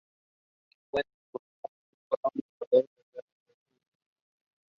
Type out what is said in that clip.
Sooner or later we will all leave this passing world.